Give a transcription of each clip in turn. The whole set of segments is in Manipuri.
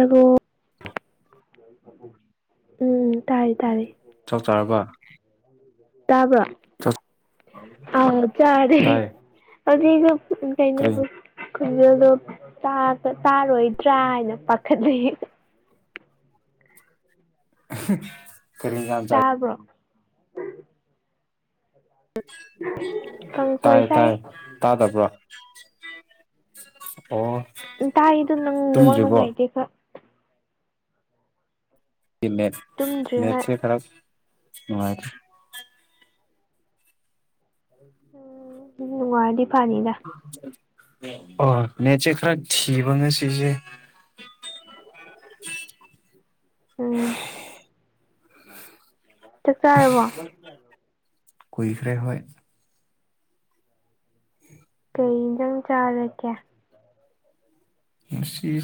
ꯑꯕꯨꯣ ꯎꯝ ꯇꯥꯔꯦ ꯇꯥꯔꯦ ꯆꯞ ꯆꯥꯔꯕ ꯇꯥꯕ꯭ꯔ ꯆꯥꯛ ꯑꯥꯎ ꯆꯥꯔꯦ ꯇꯥꯏ ꯀꯔꯤ ꯀꯩꯅꯩꯅ ꯈꯣꯟꯖꯦꯜꯗꯣ ꯆꯥꯔꯣꯏꯗ꯭ꯔꯥ ꯍꯥꯏꯅ ꯄꯥꯈꯠꯅꯩ ꯀꯔꯤꯖ ꯆ ꯎꯝ ꯇꯥꯏ ꯀꯥꯡꯁꯣꯏ ꯆꯥꯏ ꯇꯥꯏ ꯇꯥ ꯇ ꯋꯥ ꯇꯥꯏꯗ ꯅꯪ ꯋꯥ ꯅꯨꯡꯉꯥꯏꯇꯦ ꯈ ꯇꯨꯝꯗ꯭ꯔꯤ ꯍꯣꯏ ꯦꯠꯦꯠꯁꯦ ꯈꯔꯞ ꯅꯨꯡꯉꯥꯏ ꯝꯅꯨꯡꯉꯔꯗꯤ ꯐꯅꯤꯗ ꯑꯣ ꯅꯦꯠꯁꯦ ꯈꯔ ꯊꯤꯕ ꯉꯁꯤꯁꯦ ꯎ ꯎꯝ ꯆꯥꯛ ꯆꯥꯔꯕꯣ ꯀꯨꯏꯈ꯭ꯔꯦ ꯍꯣꯏ ꯀꯩꯟꯖꯪ ꯆꯥꯔꯀꯦ ꯁꯤꯁꯦ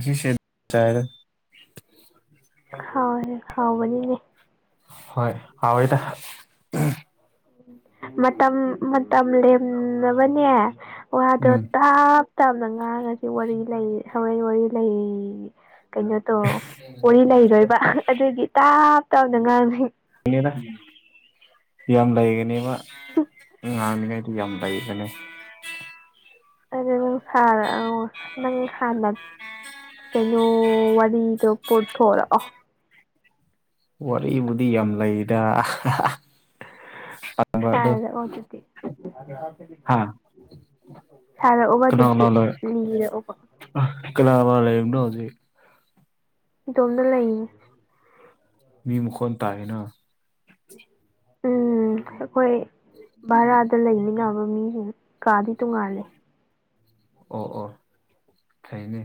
ꯁꯦ ꯑꯣ ꯍꯥꯎ ꯍꯥꯎꯕꯅꯤꯅꯦ ꯍꯣꯏ ꯍꯥꯎꯣꯏꯗ ꯎ ꯃꯇꯝ ꯃꯇꯝ ꯂꯦꯝꯅꯕꯅꯦ ꯋꯥꯗꯣ ꯎꯝ ꯇꯥꯛ ꯇꯕꯅ ꯉꯥꯡꯉꯁꯤ ꯋꯥꯔꯤ ꯂꯩ ꯍꯔꯩ ꯋꯥꯔꯤ ꯂꯩ ꯀꯩꯅꯣꯇꯣ ꯋꯥꯔꯤ ꯂꯩꯔꯣꯏꯕ ꯑꯗꯨꯗꯤ ꯇꯥꯞ ꯇꯥꯎꯅ ꯉꯥꯡꯅꯤ ꯀ ꯌꯥꯝ ꯂꯩꯒꯅꯦꯕ ꯉꯥꯡꯃꯤꯉꯩꯗꯤ ꯌꯥꯝ ꯂꯩꯒꯅꯤ ꯑ ꯅꯪ ꯑ ꯅꯪ ꯁꯥꯟꯅ ꯀꯩꯅꯣ ꯋꯥꯔꯤꯗꯣ ꯄꯨꯊꯣꯔꯛꯑꯣ ꯋꯥꯔꯤꯕꯨꯗꯤ ꯌꯥꯝ ꯂꯩꯗ ꯑꯗꯣ ꯍꯗꯦ ꯑꯣꯇꯇ ꯍꯥ ꯁꯔ ꯑꯣꯕ ꯆꯠꯦ ꯂꯤꯔꯕ ꯀꯅꯥꯕ ꯖꯤꯩ ꯗꯣꯝꯗ ꯂꯩꯟ ꯃꯤ ꯀꯣꯟ ꯇꯑꯅ ꯎꯝ ꯑꯩꯈꯣꯏ ꯚꯔꯥꯗ ꯂꯩꯃꯤꯟꯅꯕ ꯃꯤꯁꯤꯡ ꯀꯥꯗꯤ ꯇꯨꯉꯂꯦ ꯑꯣ ꯑꯣ ꯈꯩꯅꯦ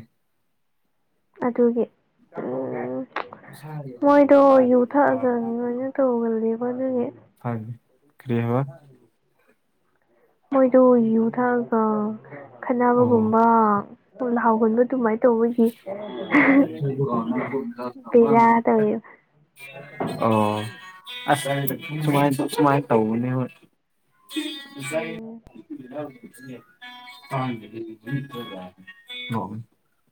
ꯑꯗꯨꯒꯤ [unintelligible] ꯎꯁꯥꯒꯤ ꯃꯣꯏꯗꯣ ꯇꯥꯏ ꯌꯨ ꯊꯛꯑꯒ [unintelligible] ꯑꯗꯨꯒꯤ ꯀꯩꯍꯥꯏꯕ ꯃꯣꯏꯗꯣ ꯌꯨ ꯊꯥꯛꯑꯒ ꯑꯣ ꯈꯠꯅꯕꯒꯨꯝꯕ ꯂ-ꯍꯥꯎꯒꯟꯕ ꯑꯗꯨꯃꯥꯏꯅ ꯇꯧꯕꯒꯤ [inaudible] ꯕꯦꯔꯥ ꯇꯧꯋꯦꯕ ꯑꯣ ꯑꯁ ꯁꯥꯃꯥꯏ-ꯁꯨꯃꯥꯏ ꯇꯧꯕꯅꯦ ꯎꯝ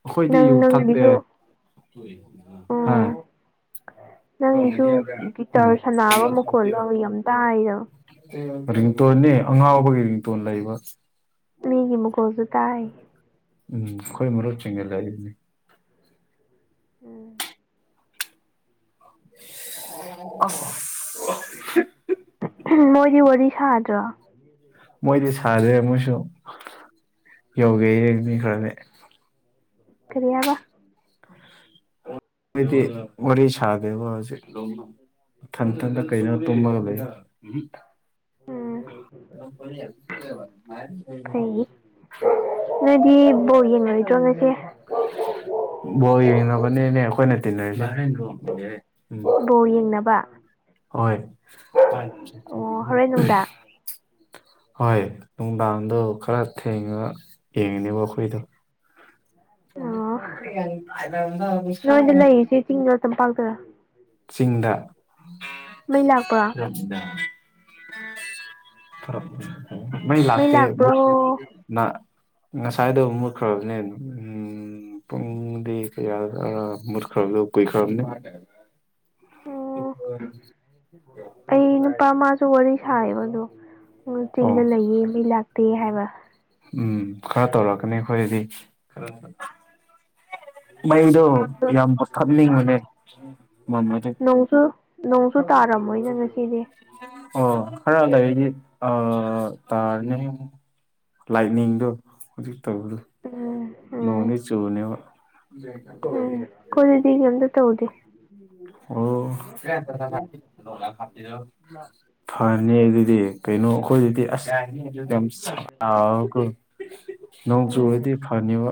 ꯍꯣꯏ [inaudible] [inaudible] ꯑꯩꯈꯣꯏꯗꯤ ꯅꯪ ꯌꯨ ꯊꯛꯇꯦ ꯅꯪꯒꯤꯁꯨ ꯎꯝ ꯅꯪꯒꯤꯁꯨ ꯒꯤꯇꯔ ꯎꯝ ꯁꯅꯕ ꯃꯈꯣꯜ ꯂꯣ ꯌꯥꯝ ꯇꯥꯏꯗ ꯔꯤꯡꯇꯣꯟꯅꯤ ꯑꯉꯥꯎꯕꯒꯤ ꯔꯤꯡꯇꯣꯟ ꯂꯩꯕ ꯃꯤꯒꯤ ꯃꯨꯈꯣꯜꯁꯨ ꯇꯥꯏ ꯎꯝ ꯈꯣꯏ ꯃꯔꯨꯞ ꯆꯤꯒꯦ [unintelligible] ꯎꯝ ꯑꯁ ꯃꯣꯏꯗꯤ ꯋꯥꯔꯤ ꯁꯥꯗ꯭ꯔꯣ ꯃꯣꯏꯗꯤ ꯁꯥꯗꯦ ꯃꯣꯏꯁꯨ ꯌꯣꯒꯦ [unintelligible] ꯈꯔꯅꯦ ꯀꯔꯤꯌꯥꯕ ꯑꯩꯗꯤ ꯋꯥꯔꯤ ꯁꯥꯗꯦꯕ ꯍꯧꯖꯤꯛ ꯏꯊꯟꯊꯟꯗ ꯎꯝ ꯀꯩꯅꯣ ꯇꯨꯝꯃꯒ ꯂꯩ [inaudible] ꯎꯝ [inaudible] ꯕꯣ ꯌꯦꯡꯉꯗ꯭ꯔꯣ ꯉꯥꯁꯦ ꯕꯣꯜ ꯌꯦꯡꯅꯕꯅꯦꯅꯦ [unintelligible] [inaudible] ꯎꯝ ꯕꯣꯜ ꯌꯦꯡꯅꯕ ꯍꯣꯏ ꯑꯣ ꯍꯣꯔꯦꯟ ꯅꯨꯡꯗꯥꯡ [inaudible] ꯍꯣꯏ ꯅꯨꯡꯗꯥꯡꯗꯣ ꯈꯔ ꯊꯦꯡꯉꯒ ꯌꯦꯡꯉꯅꯦꯕ ꯑꯩꯈꯣꯏꯗꯣ ꯑꯣ ꯅꯣꯏꯗꯂꯩꯁꯤ ꯆꯤꯡ ꯇꯝꯄꯥꯛꯗꯔ ꯆꯤꯡꯗ ꯂꯥꯛꯄ꯭ꯔꯣ [inaudible] ꯃꯩ ꯂꯥꯛꯇ ꯂꯥꯛꯄ꯭ꯔꯣ ꯑꯣ ꯃꯨꯠꯅ ꯉꯁꯥꯏꯗꯣ ꯃꯨꯠꯈ꯭ꯔꯕꯅꯦ ꯎꯝ ꯄꯨꯡꯗꯤ ꯀꯌꯥ-ꯑ- ꯃꯨꯠꯈꯔꯕ ꯀꯨꯏ ꯈꯔꯕꯅꯦ ꯑꯩ [inaudible] ꯅꯨꯄꯥ ꯃꯥꯁꯨ ꯋꯥꯔꯤ ꯁꯥꯌꯦꯕ ꯑꯗꯣ ꯆꯤꯡꯗ ꯑꯣ ꯂꯩꯌꯦ ꯃꯩ ꯂꯥꯛꯇꯦ ꯍꯥꯏꯕ ꯎꯝ ꯈꯔ ꯇꯧꯔꯛꯀꯅꯤ ꯑꯩꯈꯣꯏꯗꯤ ꯈꯔ [inaudible] ꯃꯩꯗꯣ ꯑꯗꯣ ꯌꯥꯝ ꯎꯝ ꯃꯨꯠꯊꯠꯅꯤꯡꯕꯅꯦ ꯅꯣꯡꯁꯨ ꯅꯣꯡꯁꯨ ꯇꯥꯔꯝꯃꯣꯏꯅ ꯉꯁꯤꯗꯤ ꯑꯣ ꯈꯔ ꯂꯩꯒꯤ ꯑ-ꯇꯥꯔꯅꯦ ꯂꯥꯏꯠꯅꯤꯡꯗꯣ [inaudible] ꯇꯧꯕꯗꯨ ꯎꯝ ꯎꯝ ꯅꯣꯡꯅꯤ ꯆꯨꯕꯅꯦꯕ ꯎꯝ ꯀꯣꯗꯗꯤ ꯀꯩꯝꯇ ꯇꯧꯗꯦ ꯑꯣ [inaudible] ꯐꯅꯤ ꯑꯗꯨꯗꯤ ꯀꯩꯅꯣ ꯑꯩꯈꯣꯏꯗꯗꯤ ꯑꯁ ꯌꯥꯝ ꯁꯥ [inaudible] ꯒ ꯅꯣꯡꯆꯨꯔꯗꯤ ꯐꯅꯤꯕ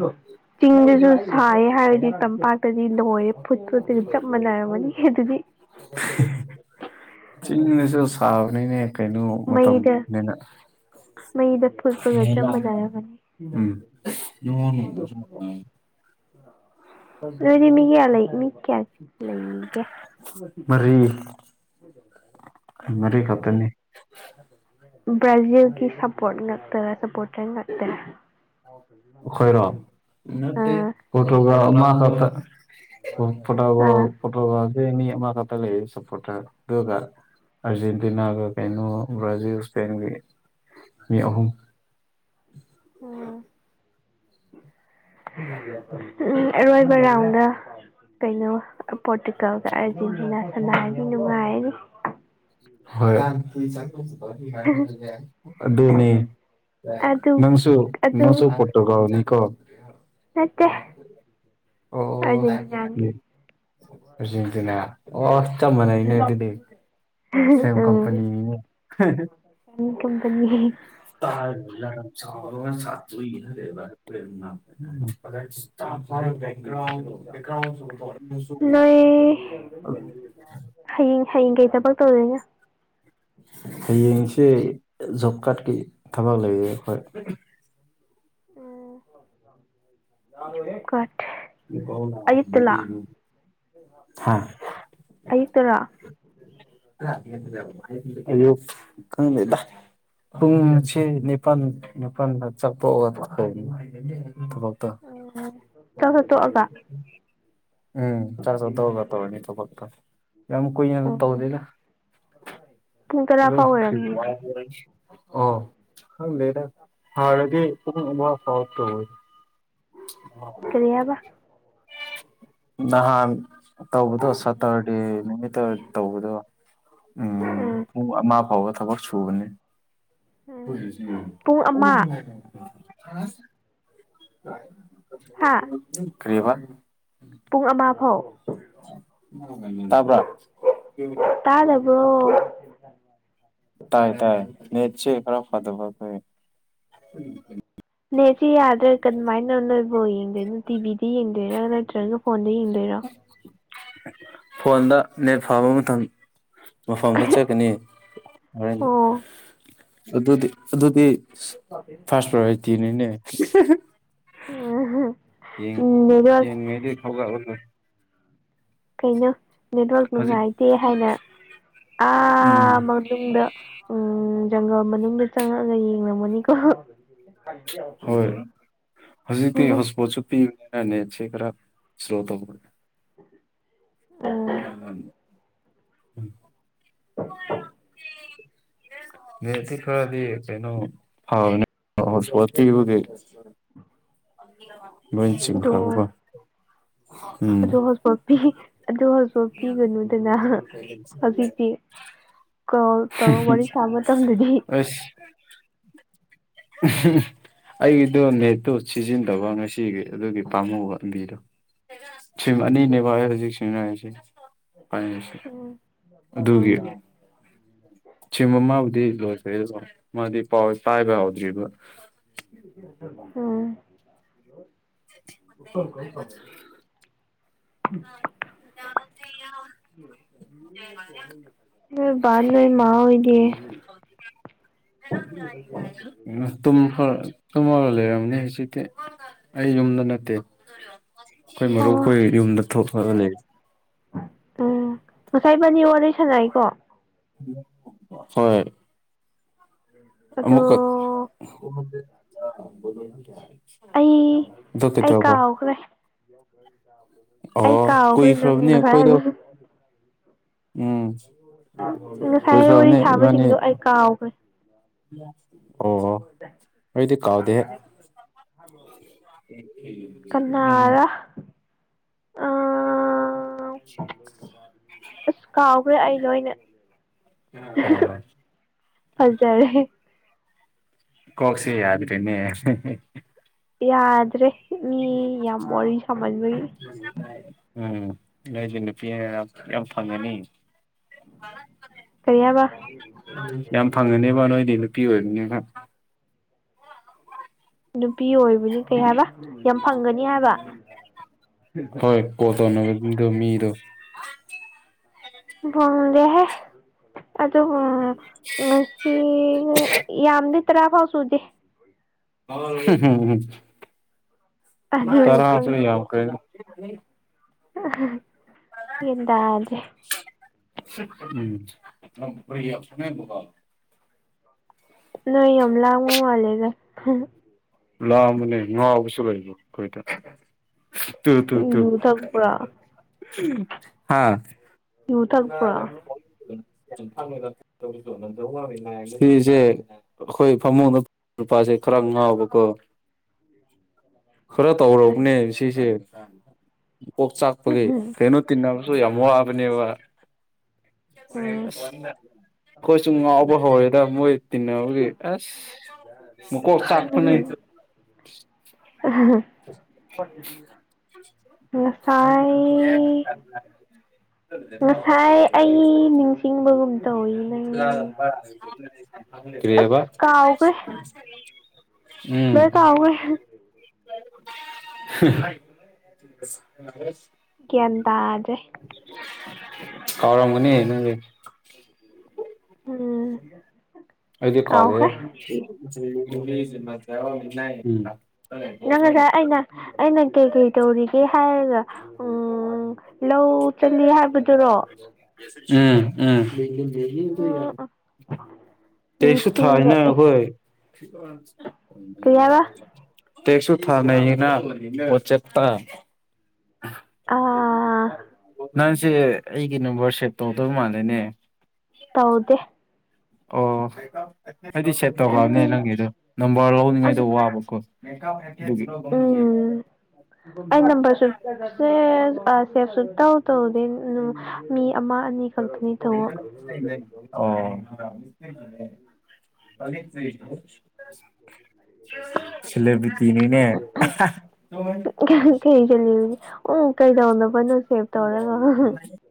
ꯎ [inaudible] ꯆꯤꯡꯗꯨꯁꯨ ꯁꯥꯏꯌꯦ ꯍꯥꯏꯔꯗꯤ ꯇꯝꯄꯥꯛ ꯇꯗꯤ ꯂꯣꯏꯔꯦ ꯐꯨꯠ ꯐꯨꯠꯇ ꯆꯞ ꯃꯥꯟꯅꯔꯝꯃꯅꯤ ꯑꯗꯨꯗꯤ ꯆꯤꯡꯗꯁꯨ ꯁꯥꯕꯅꯤꯅꯦ ꯀꯩꯅꯣ ꯃꯩꯗ ꯃꯇꯝꯅꯤꯅ ꯃꯩꯗ ꯐꯨꯞꯄꯒ ꯆꯞ ꯃꯅꯔ‌ꯝꯃꯅꯤ ꯎꯝ ꯑꯗꯨꯗꯤ ꯃꯤ ꯀꯌꯥ ꯂꯩ ꯃꯤ ꯀꯌꯥ ꯂꯩꯒꯦ ꯃꯔꯤ ꯃꯔꯤ ꯎꯝ ꯈꯛꯇꯅꯤ ꯕ꯭ꯔꯥꯖꯤꯜꯒꯤ ꯁꯞꯄꯣꯔꯠ ꯉꯇꯔ ꯁꯄꯣꯔꯇꯔ ꯉꯥꯛꯇꯔꯥ ꯑꯩꯈꯣꯏꯔꯣ ꯅꯠꯇꯦ ꯑꯥ ꯄꯔꯇꯨꯒꯜ ꯑꯥ [unintelligible] ꯃꯤ ꯑꯃ ꯈꯛꯇ ꯂꯩꯌꯦ [inaudible] ꯑꯔꯖꯦꯟꯇꯤꯅꯥꯒ ꯀꯩꯅꯣ ꯕ꯭ꯔꯥꯖꯤꯜ ꯁꯄꯦꯟꯒꯤ ꯃꯤ ꯑꯍꯨꯝ ꯎꯝ ꯑꯔꯣꯏꯕ ꯔꯥꯎꯟꯗ ꯀꯩꯅꯣ ꯄꯣꯔꯇꯨꯀꯜꯒ ꯑꯥꯔꯖꯦꯟꯇꯤꯅꯥ ꯁꯅꯥꯥꯏꯒꯤ ꯅꯨꯡꯉꯥꯏꯔꯅꯤ ꯍꯣꯏ ꯑꯗꯨꯅꯤ ꯑꯗꯨ ꯅꯪꯁꯨ ꯑꯗꯨ ꯅꯪꯁꯨ ꯄꯔꯇꯨꯒꯜꯅꯤ ꯀꯣ ꯅꯠꯇꯦ ꯑꯣ ꯍꯥꯏ ꯑꯥꯔꯖꯦꯟꯇꯤꯅꯥꯅꯤ ꯑꯔꯖꯦꯟꯇꯤꯅ ꯑꯣ ꯆꯞꯃꯅꯩꯌꯦꯅꯦ ꯑꯗꯨꯗꯤ ꯁꯦꯝ ꯎꯝ ꯀꯝꯄꯅꯤꯅꯦ ꯀꯝꯄꯅꯤ [unintelligible] [unintelligible] ꯅꯣꯏ ꯍꯌꯦꯡ ꯍꯌꯦꯡ ꯀꯩ ꯊꯕꯛ ꯇꯧꯗꯣꯏꯅꯦ ꯍꯌꯦꯡꯁꯦ ꯖꯣꯕ ꯀꯥꯠꯀꯤ ꯊꯕꯛ ꯂꯩꯌꯦ ꯑꯩꯈꯣꯏ ꯎꯝ ꯀꯥꯎ ꯃꯨꯕꯤ ꯑꯌꯨꯛ ꯇꯔꯣ [inaudible] ꯎ ꯉꯁꯤ ꯅꯤꯄꯥꯟ ꯃꯄꯥꯟꯗ ꯆꯄ ꯊꯕꯛꯇꯣ ꯆꯥꯕ ꯇꯣꯛꯑꯒ ꯎꯝ ꯆꯥꯛ ꯆꯊꯣꯛꯑꯒ ꯇꯧꯂꯅꯤ ꯊꯕꯛꯇꯣ ꯌꯥꯝ ꯀꯨꯏꯅ ꯑꯗꯨ ꯎꯝ ꯇꯧꯗꯦꯗ ꯄꯨꯡ ꯇꯔꯥ ꯐꯥꯎ ꯑꯣꯏꯔꯝꯅꯤꯌꯦ ꯑꯣ ꯪ ꯍꯔꯗꯤ ꯐꯋꯥꯔꯠꯇ ꯀꯔꯤꯌꯥꯕ ꯅꯍꯥꯟ ꯇꯧꯕꯗꯣ ꯁꯇꯔꯗꯦ ꯅꯨꯃꯤꯠꯇ ꯇꯧꯕꯗꯣ ꯎꯝ ꯃꯥ ꯄꯥꯎ ꯈꯕꯔꯁꯨꯨ ꯃꯅꯤ ꯎꯝ ꯄꯨꯡ ꯑꯃ ꯁꯤ ꯍꯥꯥ ꯑ ꯀ꯭ꯔꯦꯕ ꯄꯨꯡ ꯑꯃ ꯐꯥꯎ ꯇꯥꯕ꯭ꯔꯥ ꯊ ꯇꯥꯏ ꯇꯥꯏ ꯅꯠꯁꯤ ꯈꯔ ꯐꯠꯇ ꯐ ꯍ ꯑꯦ ꯁꯤ ꯌꯥꯗ꯭ꯔꯥ ꯀꯃꯥꯏꯅ ꯅꯣꯏꯕꯨꯣ ꯌꯦꯡꯗꯣꯏꯅꯣ ꯇꯤꯚꯤꯗꯤ ꯌꯦꯡꯗꯣꯏꯔ ꯅꯠꯇ꯭ꯔꯒ ꯐꯣꯟ ꯗꯦꯔꯥ ꯐꯣꯟꯗ ꯅꯦꯠ ꯐꯥꯕ ꯑꯃ ꯊꯝꯏ ꯃꯐꯝꯗ ꯆꯠꯀꯅꯤꯗꯤ ꯑꯣ ꯑꯗꯨꯗꯤ ꯑꯗꯨꯗꯤ ꯐꯥꯁ ꯄ꯭ꯔꯇꯅꯤꯅꯦ ꯌꯦ ꯎꯝ ꯅꯦꯠꯋꯥꯛ ꯌꯦ ꯉꯗꯤ ꯍꯒ ꯀꯩꯩꯅ ꯅꯦꯠꯋꯥꯔꯛ ꯍꯧꯖꯤꯛ ꯅꯨꯡꯉꯥꯏꯇꯦ ꯍꯥꯏꯅ ꯎꯝ ꯑꯥ ꯃꯅꯨꯡꯗ ꯎꯝ ꯎꯝ ꯖꯪꯒꯜ ꯃꯅꯨꯡꯗ ꯆꯪꯉꯛꯑꯒ ꯌꯦꯡꯝꯒꯅꯤꯀꯣ ꯍꯣꯏ ꯍꯧꯖꯤꯛꯇꯤ ꯍꯣꯁꯄꯣꯠꯁꯨ ꯄꯤ ꯅꯦꯠꯁꯦ ꯈꯔ ꯏꯁꯂꯣ ꯇꯧꯈꯔꯦ [unintelligible] [inaudible] ꯅꯦꯠꯁꯤ ꯈꯔꯗꯤ ꯐꯕꯥꯅꯦ ꯍꯣꯁꯄꯣꯠ ꯄꯤꯕꯒꯤ ꯂꯣꯏ ꯑꯗꯨ ꯆꯤꯡꯈꯕ ꯀꯣ [inaudible] ꯑꯗꯨ ꯍꯣꯁꯄꯣꯠꯄꯤ ꯑꯗꯨ ꯍꯣꯁꯄꯣꯠ ꯄꯤꯒꯅꯨꯗꯅ ꯍꯧꯖꯤꯛꯇꯤ ꯀꯣꯜ ꯇꯧꯔ ꯋꯥꯔꯤ ꯁꯥꯕ ꯃꯇꯝꯗꯗꯤ ꯑꯁ [unintelligible] ꯑꯩꯒꯤꯗꯣ ꯅꯦꯠꯇꯨ ꯁꯤꯖꯤꯟꯅꯗꯕ ꯉꯁꯤꯒꯤ ꯑꯗꯨꯒꯤ ꯄꯥꯝꯃꯨꯕ ꯑꯝꯕꯤꯗꯣ ꯁꯤꯝ ꯑꯅꯤꯅꯦꯕ ꯑꯩ ꯍꯧꯖꯤꯛ ꯁꯤꯖꯤꯟ ꯅꯔꯤꯁꯦ ꯄꯥꯏꯔꯤꯁꯦ ꯑꯗꯨꯒꯤ [unintelligible] ꯁꯤꯝ ꯑꯃꯥꯕꯨꯗꯤ ꯂꯣꯏꯈꯦ ꯑꯗꯨ ꯃꯥꯗꯤ ꯄꯥꯎ ꯄꯥꯏꯕ ꯍꯧꯗ꯭ꯔꯤꯕ ꯎꯝ [unintelligible] [unintelligible] ꯅꯣꯏꯕꯥ ꯅꯣꯏꯃꯥ ꯍꯣꯏꯗꯤ ꯇꯨꯝꯈꯔꯥ ꯇꯨꯝꯃꯒ ꯂꯩꯔꯝꯅꯤ ꯍꯧꯖꯤꯛꯇꯤ ꯑꯩ ꯌꯨꯝꯗ ꯅꯠꯇꯦ ꯑꯩꯈꯣꯏ ꯑꯣ ꯃꯔꯨꯞꯈꯣꯏ ꯌꯨꯝꯗ ꯊꯣꯛꯂꯒ ꯂꯩꯔꯤ ꯎꯝ ꯉꯁꯥꯏ ꯕꯥꯅꯤ ꯋꯥꯔꯤ ꯁꯥꯟꯅꯩꯀꯣ ꯍꯣꯏ ꯑꯗꯣ ꯑꯃꯨꯛꯀꯥ ꯑꯩ ꯑꯗꯨ ꯑꯩ ꯀꯩꯗꯧꯕ ꯀꯥꯎꯈ꯭ꯔꯦ ꯑꯩ ꯑꯣ ꯀꯥꯎꯈ꯭ꯔꯦ ꯅꯪ ꯀꯨꯏꯈ꯭ꯔꯕꯅꯤ ꯉꯁꯥꯏ ꯑꯩꯈꯣꯏꯗꯣ ꯍꯥꯏꯕ ꯎꯝ ꯉꯁꯥꯏ ꯋꯥꯔꯤ ꯀꯨꯏꯈ꯭ꯔꯕꯅꯤ ꯏꯕꯥꯅꯤ ꯁꯥꯕꯁꯤꯡꯗꯣ ꯑꯩ ꯀꯥꯎꯈ꯭ꯔꯦ ꯑꯣ ꯑꯣꯏꯗꯤ ꯀꯥꯎꯗꯦ [inaudible] ꯎꯝ ꯀꯅꯥꯔ [unintelligible] ꯀꯥꯎꯈ꯭ꯔꯦ ꯑꯩ ꯂꯣꯏꯅ ꯑꯣ ꯐꯖꯔꯦ ꯀꯣꯛꯁꯤ ꯌꯥꯗꯔ꯭ꯦꯅꯦ ꯌꯥꯗ꯭ꯔꯦ ꯃꯤ ꯌꯥꯝ ꯋꯥꯔꯤ ꯁꯃꯟꯕꯒꯤ ꯎꯝ ꯅꯣꯏꯁꯦ ꯅꯨꯄꯤꯅꯤꯅ ꯌꯥꯝ ꯐꯪꯉꯅꯤ ꯀꯔꯤ ꯍꯥꯏꯕ ꯌꯥꯝ ꯐꯪꯉꯅꯦꯕ ꯅꯣꯏꯗꯤ ꯅꯨꯄꯤ ꯑꯣꯏꯕꯅꯤꯅ ꯅꯨꯄꯤ ꯑꯣꯏꯕꯅꯤ ꯀꯩ ꯍꯥꯏꯕ ꯌꯥꯝ ꯐꯪꯒꯅꯤ ꯍꯥꯏꯕ ꯍꯣꯏ ꯇꯧꯅꯕꯒꯤ ꯃꯤꯗꯣ ꯃꯤꯗꯣ ꯐꯪꯗꯦ ꯍꯦ ꯑꯗꯣ ꯉꯁꯤ ꯌꯥꯝꯗꯦ ꯇꯔꯥ ꯐꯥꯎ ꯁꯨꯗꯦ [unintelligible] ꯑꯗꯨꯕꯨ ꯈꯪ ꯇꯔꯥꯁꯨ ꯌꯥꯝꯈꯔ꯭ꯦ [unintelligible] [unintelligible] ꯅꯣꯏ ꯌꯥꯝ ꯂꯥꯡꯕ ꯃꯥꯜꯂꯦꯅꯦ ꯂꯥꯡꯕꯅꯦ ꯉꯥꯎꯕꯁꯨ ꯂꯩꯕꯥ ꯑꯩꯈꯣꯢꯗꯣ ꯇꯨ ꯇꯨ ꯇꯨ ꯌꯨ ꯊꯛꯄ꯭ꯔꯣ ꯍꯥ ꯌꯨ ꯊꯛꯄꯔꯣ ꯁꯤꯁꯦ ꯑꯩꯈꯣꯏ ꯐꯃꯨꯡꯗ ꯅꯨꯄꯥꯁꯦ ꯈꯔꯥ ꯉꯥꯎꯕ ꯈꯔ ꯇꯧꯔꯕꯅꯦ ꯁꯤꯁꯦ ꯀꯣꯛ ꯆꯥꯛꯄꯒꯤ ꯀꯩꯅꯣ ꯇꯤꯟꯅꯕꯁꯨ ꯌꯥꯝ ꯋꯥꯕꯅꯦꯕ ꯑꯩꯈꯣꯏꯁꯨ ꯉꯥꯎꯕ ꯍꯧꯔꯦꯗ ꯃꯣꯏ ꯇꯅ ꯋꯥꯒ ꯑꯁ ꯃ ꯀ ꯆꯄꯅꯤ [inaudible] ꯑ ꯃꯁꯨ ꯝ ꯇꯏꯅ ꯀꯔꯤꯕ ꯂꯣꯏ ꯀꯦ [inaudible] ꯑꯗꯨ ꯀꯧꯔꯒꯅꯤ ꯅ ꯎꯝ ꯑꯗꯨ ꯀꯥꯎꯗꯦ ꯀꯥꯎꯈ꯭ꯔꯦ ꯏ ꯅꯪ ꯉꯁꯥꯏ ꯑꯩꯅ ꯑꯩꯅ ꯀꯩ ꯀꯩ ꯇꯧꯔꯤꯒꯦ ꯍꯥꯏꯔꯒ ꯎꯝ ꯂꯧ ꯆ ꯍꯥꯏꯕꯗꯤ ꯑ ꯎꯝ ꯑ ꯇꯁꯨꯁꯨ ꯊꯥꯏꯅ ꯅꯤꯡꯁꯤꯡꯂꯛꯑꯦ ꯑꯣꯈꯣꯏ ꯀꯩ ꯍꯥꯏꯕ ꯇꯦꯛꯁꯨ ꯊꯥꯅꯩꯌꯦꯅ ꯄꯣꯠꯆꯦꯞꯇꯥ [inaudible] ꯑꯥ ꯑꯩꯁꯦ ꯑꯩꯒꯤ ꯅꯝꯕꯔ ꯁꯦꯚ ꯇꯧꯗꯧ ꯃꯥꯜꯂꯦꯅꯦ ꯇꯧꯗꯦ ꯑꯣ ꯑꯩꯗꯤ ꯁꯦꯚ ꯇꯧꯈ꯭ꯔꯕꯅꯦ ꯎꯝ ꯅꯪꯒꯤꯗꯣ ꯅꯝꯕꯔ ꯂꯧꯅꯤꯡꯉꯩꯗꯣ ꯋꯥꯕꯀꯣ ꯃ ꯎꯝ ꯑ ꯅꯝꯕꯔꯁꯨꯦ ꯁꯦ ꯇꯧ ꯇꯧꯗꯦ ꯎ ꯃꯤ ꯑꯃ ꯑꯅꯤ ꯈꯛꯇꯅꯤ ꯇꯧꯕ ꯑꯣ ꯦ ꯄꯕꯤ꯭ꯔꯤ ꯁꯤꯂꯦꯕ ꯇꯅꯤꯅꯦ ꯀꯤ ꯆꯕꯁꯦ ꯎ ꯀꯩꯗꯧꯅꯣ ꯐꯅꯣ ꯁꯦꯚ ꯇꯧꯔꯒ